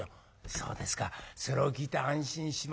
「そうですか。それを聞いて安心しました。